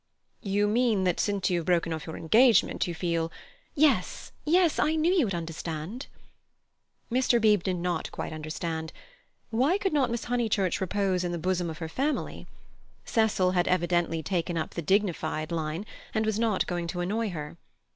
"You mean that since you have broken off your engagement you feel—" "Yes, yes. I knew you'd understand." Mr. Beebe did not quite understand. Why could not Miss Honeychurch repose in the bosom of her family? Cecil had evidently taken up the dignified line, and was not going to annoy her.